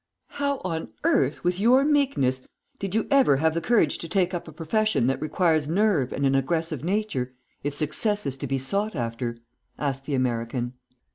"How on earth, with your meekness, did you ever have the courage to take up a profession that requires nerve and an aggressive nature if success is to be sought after?" asked the American.